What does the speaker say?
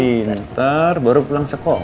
anak pintar baru pulang sekolah